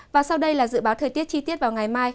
và sau đây là dự báo thời tiết chi tiết vào ngày mai